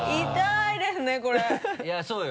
いやそうよ。